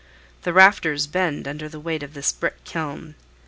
The rafters bend under the weight of this brick kiln.